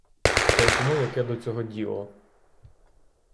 Та й кому яке до цього діло?